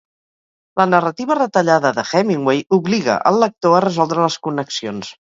La narrativa retallada de Hemingway obliga el lector a resoldre les connexions.